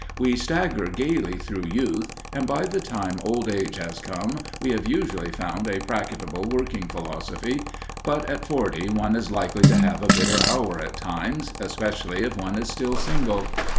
We stagger gaily through Youth, and by the time Old Age has come we have usually found a practicable working philosophy, but at forty one is likely to have a bitter hour at times, especially if one is still single.